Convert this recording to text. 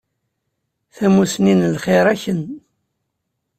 Tamussni n lxir a Ken.